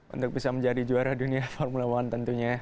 untuk bisa menjadi juara dunia formula one tentunya